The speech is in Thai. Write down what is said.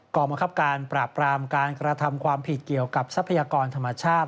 กรรมคับการปราบปรามการกระทำความผิดเกี่ยวกับทรัพยากรธรรมชาติ